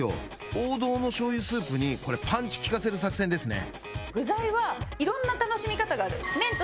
王道のしょう油スープにこれパンチきかせる作戦ですね